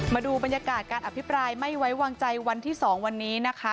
มาดูบรรยากาศการอภิปรายไม่ไว้วางใจวันที่๒วันนี้นะคะ